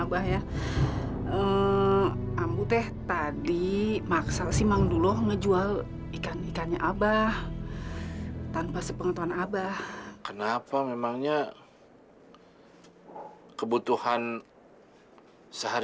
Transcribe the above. sampai jumpa di video selanjutnya